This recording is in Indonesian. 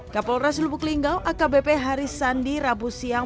kapolres lubuk linggau akbp haris sandi rabu siang